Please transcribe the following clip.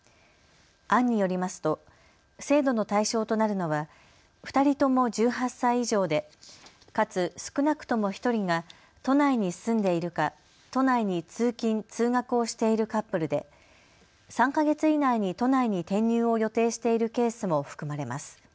案によりますと制度の対象となるのは２人とも１８歳以上でかつ、少なくとも１人が都内に住んでいるか都内に通勤通学をしているカップルで３か月以内に都内に転入を予定しているケースも含まれます。